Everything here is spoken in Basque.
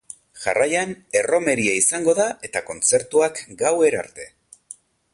Jarraian, erromeria izango da eta kontzertuak gauera arte.